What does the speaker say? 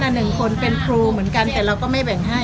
หนึ่งคนเป็นครูเหมือนกันแต่เราก็ไม่แบ่งให้